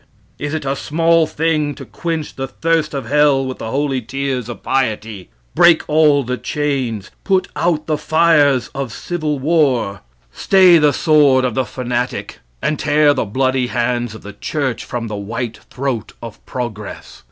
Is it a small thing to quench the thirst of hell with the holy tears of piety, break all the chains, put out the fires of civil war, stay the sword of the fanatic, and tear the bloody hands of the church from the white throat of progress?